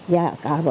và cả vợ